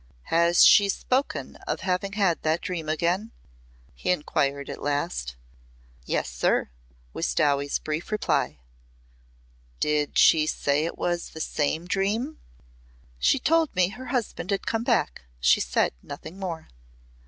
"Has she spoken of having had the dream again?" he inquired at last. "Yes, sir," was Dowie's brief reply. "Did she say it was the same dream?" "She told me her husband had come back. She said nothing more."